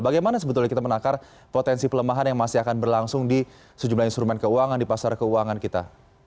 bagaimana sebetulnya kita menakar potensi pelemahan yang masih akan berlangsung di sejumlah instrumen keuangan di pasar keuangan kita